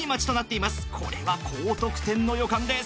これは高得点の予感です。